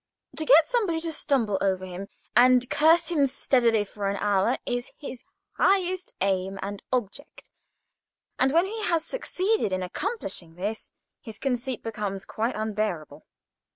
To get somebody to stumble over him, and curse him steadily for an hour, is his highest aim and object; and, when he has succeeded in accomplishing this, his conceit becomes quite unbearable.